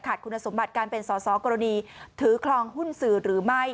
คุณสมบัติการเป็นสอสอกรณีถือคลองหุ้นสื่อหรือไม่